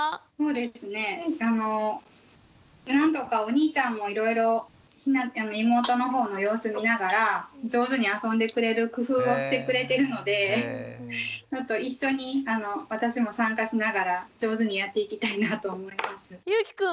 そうですねなんとかお兄ちゃんもいろいろ妹の方の様子見ながら上手に遊んでくれる工夫をしてくれてるので一緒に私も参加しながら上手にやっていきたいなと思います。